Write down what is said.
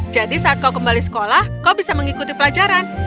jadi saat kau kembali sekolah kau bisa mengikuti pelajaran